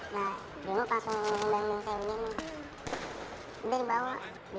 nah bermuk langsung nunggu nunggu saya ini